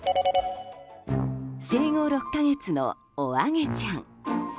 生後６か月のおあげちゃん。